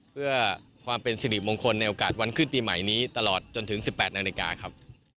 เพื่อความเป็นสิริมงคลในโอกาสวันขึ้นปีใหม่นี้ตลอดจนถึง๑๘นาฬิกาครับ